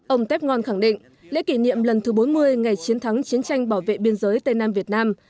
ông tép ngôn khẳng định lễ kỷ niệm lần thứ bốn mươi ngày chiến thắng chiến tranh bảo vệ biên giới tây nam việt nam